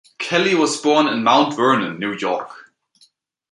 Kelly was born in Mount Vernon, New York.